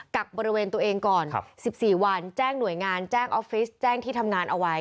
กักบริเวณตัวเองก่อน๑๔วันแจ้งหน่วยงานแจ้งออฟฟิศแจ้งที่ทำงานเอาไว้